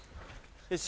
よし。